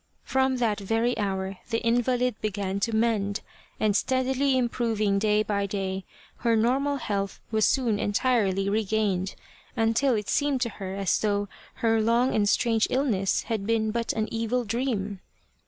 From that very hour the invalid began to mend, and steadily improving day by day, her normal health was soon entirely regained, until it seemed to her as though her long and strange illness had been but an evil dream.